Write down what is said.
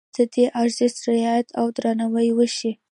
باید د دې ارزښت رعایت او درناوی وشي.